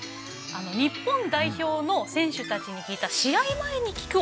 日本代表の選手たちに聞いた試合前に聴く